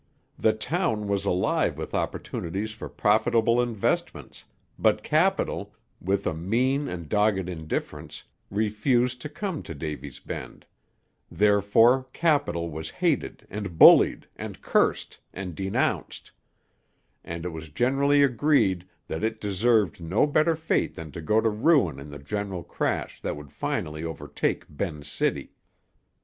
The town was alive with opportunities for profitable investments, but Capital, with a mean and dogged indifference, refused to come to Davy's Bend; therefore Capital was hated, and bullied, and cursed, and denounced; and it was generally agreed that it deserved no better fate than to go to ruin in the general crash that would finally overtake Ben's City.